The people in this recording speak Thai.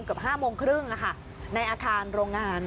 เกือบ๕โมงครึ่งในอาคารโรงงาน